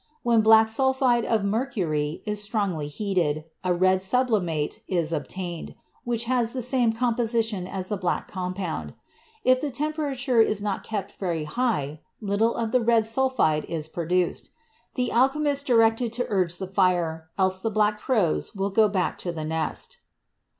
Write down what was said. When black sulphide of mercury is strongly heated, a red sublimate is obtained, which has the same composition as the black compound; if the tem perature is not kept very high, little of the red sulphide is produced; the alchemists directed to urge the fire, "else the black crows will go back to the nest."